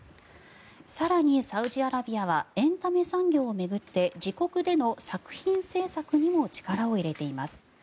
更に、サウジアラビアはエンタメ産業を巡って自国での作品制作にも力を入れています。